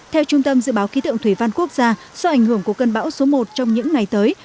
theo trung tâm dự báo khí tượng thủy văn quốc gia do ảnh hưởng của cơn bão số một trong những ngày tới